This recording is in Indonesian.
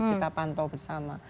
kita pantau bersama